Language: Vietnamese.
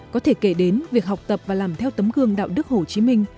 có thể kể đến việc học tập và làm theo tấm gương đạo đức hồ chí minh